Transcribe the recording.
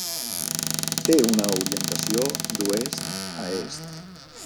Té una orientació d'oest a est.